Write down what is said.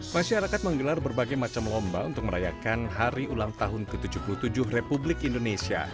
masyarakat menggelar berbagai macam lomba untuk merayakan hari ulang tahun ke tujuh puluh tujuh republik indonesia